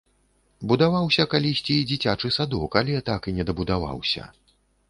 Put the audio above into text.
Будаваўся калісьці і дзіцячы садок, але так і не дабудаваўся.